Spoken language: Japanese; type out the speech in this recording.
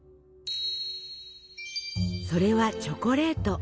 それはチョコレート。